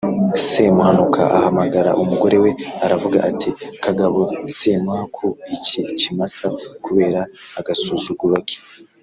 Semuhanuka ahamagara umugore we aravuga ati:” Kagabo simuha ku iki kimasa kubera agasuzuguro ke